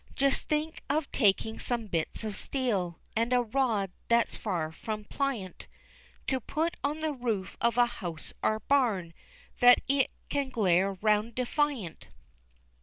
Just think of taking some bits of steel, And a rod that's far from pliant, To put on the roof of a house or barn, That it can glare 'round defiant.